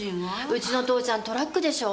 ウチの父ちゃんトラックでしょ？